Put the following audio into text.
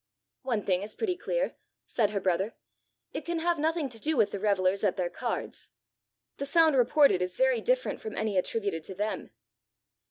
"One thing is pretty clear," said her brother, "it can have nothing to do with the revellers at their cards! The sound reported is very different from any attributed to them!"